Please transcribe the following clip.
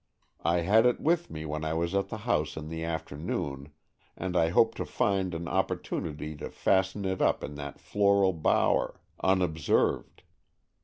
I had it with me when I was at the house in the afternoon, and I hoped to find an opportunity to fasten it up in that floral bower, unobserved.